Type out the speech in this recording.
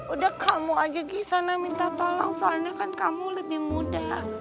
udah kamu aja gimana minta tolong soalnya kan kamu lebih muda